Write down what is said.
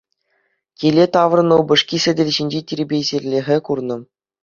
Киле таврӑннӑ упӑшки сӗтел ҫинчи тирпейсӗрлӗхе курнӑ.